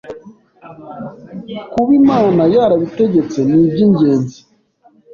Kuba Imana yarabitegetse, ni iby’ingenzi.